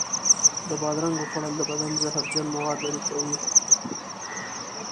د بادرنګو خوړل د بدن زهرجن موادو لرې کوي.